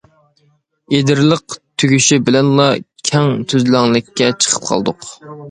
ئېدىرلىق تۈگىشى بىلەنلا كەڭ تۈزلەڭلىككە چىقىپ قالدۇق.